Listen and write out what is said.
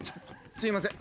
すいません。